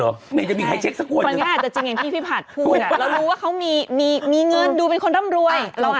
ลมเอ่ยเจ้าหอบรักมาให้ใครไม่ตัดแล้ว